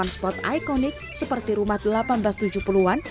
tiga puluh delapan spot ikonik seperti rumah seribu delapan ratus tujuh puluh an